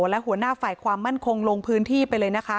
และหัวหน้าฝ่ายความมั่นคงลงพื้นที่ไปเลยนะคะ